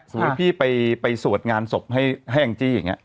สวัสดีพี่ไปสวดงานศพให้แห้งจี้อย่างนี้